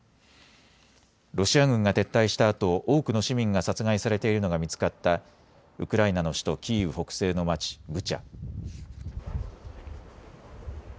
ロシア軍が撤退したあと多くの市民が殺害されているのが見つかったウクライナの首都キーウ北西の町ブチャ。